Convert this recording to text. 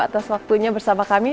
atas waktunya bersama kami